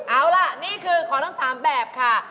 เอาล่ะนี่คือของทั้ง๓แบบค่ะ